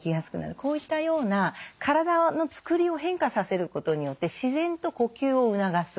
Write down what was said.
こういったような体のつくりを変化させることによって自然と呼吸を促す。